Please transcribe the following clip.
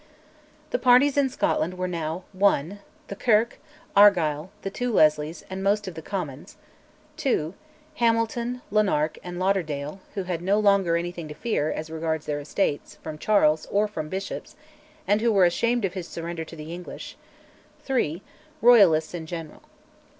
The parties in Scotland were now: (1) the Kirk, Argyll, the two Leslies, and most of the Commons; (2) Hamilton, Lanark, and Lauderdale, who had no longer anything to fear, as regards their estates, from Charles or from bishops, and who were ashamed of his surrender to the English; (3) Royalists in general.